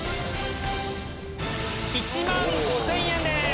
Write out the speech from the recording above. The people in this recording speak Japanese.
１万５０００円です！